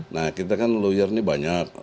nah kita kan lawyer ini banyak